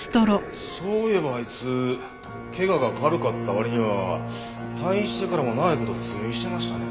そういえばあいつ怪我が軽かった割には退院してからも長い事通院してましたね。